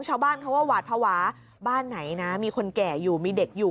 ชาวบ้านเขาก็หวาดภาวะบ้านไหนนะมีคนแก่อยู่มีเด็กอยู่